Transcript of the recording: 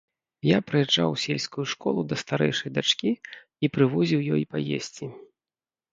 Я прыязджаў у сельскую школу да старэйшай дачкі і прывозіў ёй паесці.